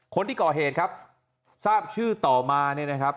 คนที่ก่อเหตุครับทราบชื่อต่อมาเนี่ยนะครับ